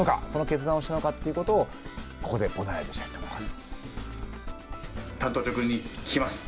その決断をしたのかということをここでボナライズしたいと思います。